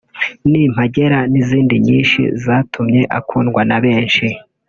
‘Nimpagera’ n’izindi nyinshi zatumye akundwa na benshi